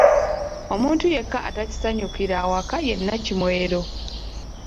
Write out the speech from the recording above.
Omuntu yekka ataakisanyukira awaka ye Nnakimwero